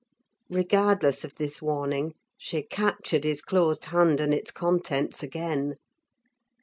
Regardless of this warning, she captured his closed hand and its contents again.